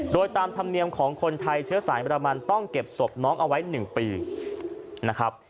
โดยตามธรรมเนียมของคนไทยเชื้อสายเรมันต้องเก็บศพน้องเอาไว้๑ปีนะครับ